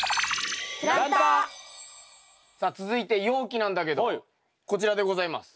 さあ続いて容器なんだけどこちらでございます。